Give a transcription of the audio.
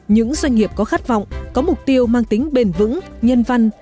những doanh nghiệp có khát vọng có mục tiêu mang tính bền vững nhân văn